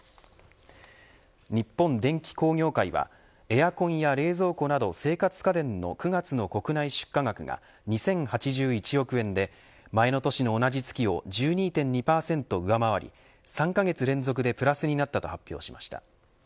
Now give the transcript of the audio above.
日本電機工業会はエアコンや冷蔵庫など生活家電の９月の国内出荷額が２０８１億円で前の年の同じ月を１２．２％上回り３カ月連続でプラスになったと発表しました。